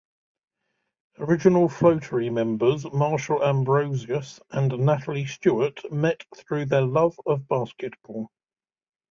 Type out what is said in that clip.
Original Floetry members Marsha Ambrosius and Natalie Stewart met through their love of basketball.